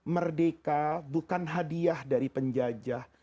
merdeka bukan hadiah dari penjajah